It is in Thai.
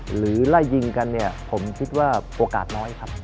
หรือไล่ยิงกันเนี่ยผมคิดว่าโอกาสน้อยครับ